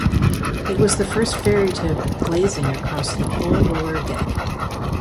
It was the first ferry to have glazing across the whole lower deck.